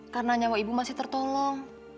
karena nyawa ibu masih tertolong